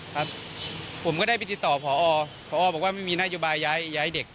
ครับผมก็ได้ไปติดต่อพอบอกว่าไม่มีนโยบายย้ายเด็ก